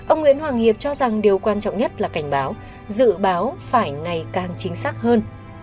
ông nguyễn hoàng hiệp cho rằng điều quan trọng nhất là cảnh báo dự báo phải ngày càng chính xác hơn